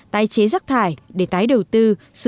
tái chế rắc thải để tái đầu tư